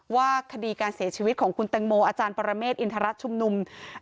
ว่าคดีการเสียชีวิตของคุณแตงโมอาจารย์ปรเมฆอินทรชุมนุม